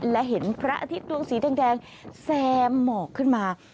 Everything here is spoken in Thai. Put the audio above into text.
และเห็นพระอาทิตย์ดวงสีแดงแซมหมอกขึ้นมา